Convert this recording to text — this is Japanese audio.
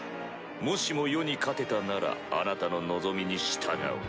もしも余に勝てたならあなたの望みに従おう。